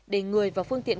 để người và phương tiện